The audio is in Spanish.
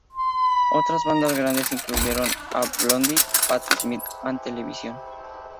Otras bandas grandes incluyeron a Blondie, Patti Smith and Television.